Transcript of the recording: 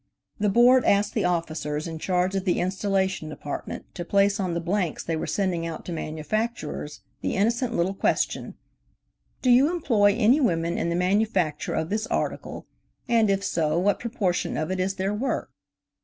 The Board asked the officers in charge of the Installation Department to place on the blanks they were sending out to manufacturers the innocent little question, "Do you employ any women in the manufacture of this article, and if so, what proportion of it is their work?"